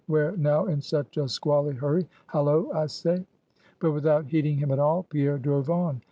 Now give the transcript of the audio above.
where now in such a squally hurry? Hallo, I say!" But without heeding him at all, Pierre drove on.